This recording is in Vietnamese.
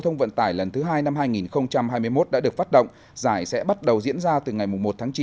thông vận tải lần thứ hai năm hai nghìn hai mươi một đã được phát động giải sẽ bắt đầu diễn ra từ ngày một tháng chín